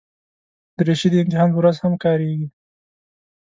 دریشي د امتحان پر ورځ هم کارېږي.